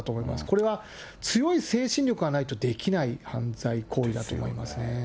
これは強い精神力がないとできない犯罪行為だと思いますね。